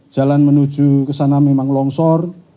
jalan menuju kesana memang longsor